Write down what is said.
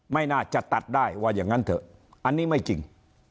ไม่น่าจะตัดได้ว่าอย่างนั้นเถอะอันนี้ไม่จริง